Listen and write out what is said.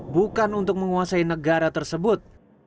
bukan untuk menguasai negara tersebut